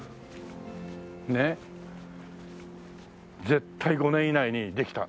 絶対５年以内にできた。